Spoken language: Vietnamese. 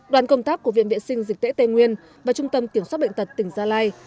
đoàn công tác của viện vệ sinh dịch tễ tây nguyên và trung tâm kiểm soát bệnh tật tỉnh gia lai